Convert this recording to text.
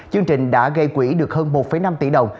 chương trình đã gây quỹ được hơn một năm tỷ đồng